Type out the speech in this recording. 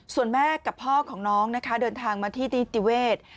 ส่วนแม่กับพ่อของน้องนะคะเดินทางมาที่นิติเวศ